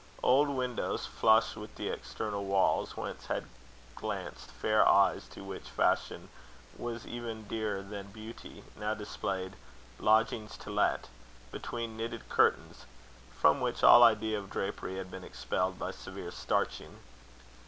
Old windows, flush with the external walls, whence had glanced fair eyes to which fashion was even dearer than beauty, now displayed Lodgings to Let between knitted curtains, from which all idea of drapery had been expelled by severe starching.